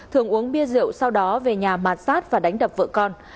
thường uống bia rượu sau đó về nhà mạt sát và đánh đập vợ con